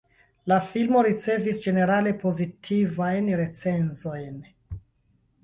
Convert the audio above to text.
La filmo ricevis ĝenerale pozitivajn recenzojn.